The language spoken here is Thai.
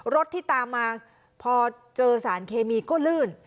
รถที่ตามมาพอเจอสารเคมีก็ลื่น